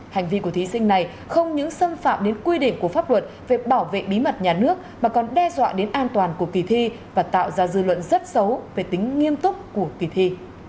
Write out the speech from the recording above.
hành vi của thí sinh này không những xâm phạm đến quy định của pháp luật về bảo vệ bí mật nhà nước mà còn đe dọa đến an toàn của kỳ thi và tạo ra dư luận rất xấu về tính nghiêm túc của kỳ thi